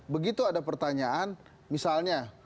begitu ada pertanyaan misalnya